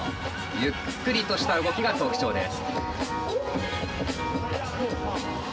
ゆっくりとした動きが特徴です。